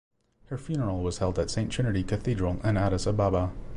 Her funeral was held at Saint Trinity Cathedral in Addis Ababa.